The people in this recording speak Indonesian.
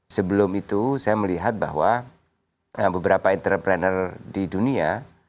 sebelum itu saya melihat bahwa beberapa entrepreneur di dunia